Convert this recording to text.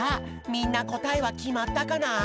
みんなこたえはきまったかな？